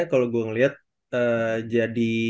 kalau gua ngeliat jadi